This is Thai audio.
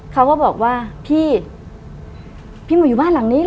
เขาก็บอกว่าพี่พี่หนูอยู่บ้านหลังนี้เห